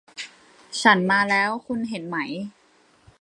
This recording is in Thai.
ฉันมาแล้ว คุณเห็นไหม